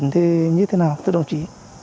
thì như thế nào thưa đồng chí